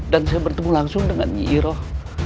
dan saya bertemu langsung dengan nyi iroh